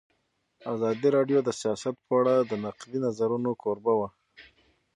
ازادي راډیو د سیاست په اړه د نقدي نظرونو کوربه وه.